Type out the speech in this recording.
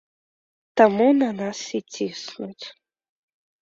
Таму на нас і ціснуць.